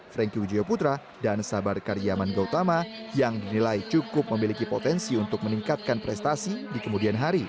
franky widjaya putra dan sabar karyaman gautama yang dinilai cukup memiliki potensi untuk meningkatkan prestasi di kemudian hari